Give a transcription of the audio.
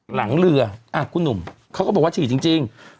หลังเรือคุณหนุ่มเขาก็บอกว่าฉี่จริง